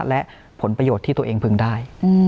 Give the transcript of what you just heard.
และผลประโยชน์ที่ตัวเองพึงได้